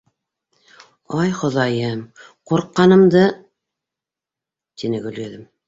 — Ай Хоҙайым, ҡурҡҡанымды! — тине Гөлйөҙөм.